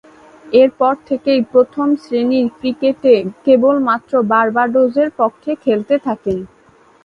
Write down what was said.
এরপর থেকেই প্রথম-শ্রেণীর ক্রিকেটে কেবলমাত্র বার্বাডোসের পক্ষে খেলতে থাকেন।